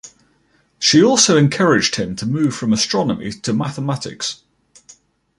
She also encouraged him to move from astronomy to mathematics.